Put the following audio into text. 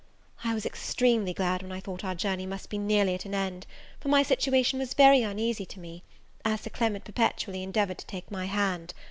I was extremely glad when I thought our journey must be nearly at an end, for my situation was very uneasy to me, as Sir Clement perpetually endeavoured to take my hand.